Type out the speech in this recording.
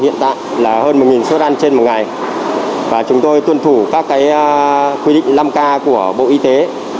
hiện tại là hơn một suất ăn trên một ngày và chúng tôi tuân thủ các quy định năm k của bộ y tế